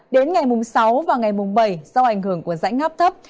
đến ngày sáu và ngày bảy do ảnh hưởng của rãnh ngắp thấp